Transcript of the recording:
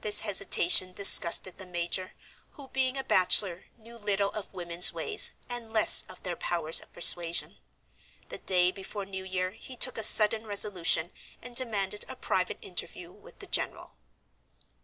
This hesitation disgusted the major, who, being a bachelor, knew little of women's ways, and less of their powers of persuasion. The day before New Year he took a sudden resolution, and demanded a private interview with the general.